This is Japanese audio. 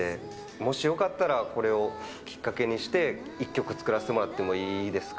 もしよかったらこれをきっかけにして一曲作らせてもらってもいいですか？